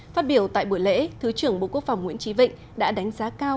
phát biểu tại buổi lễ thứ trưởng bộ quốc phòng nguyễn trí vịnh đã đánh giá cao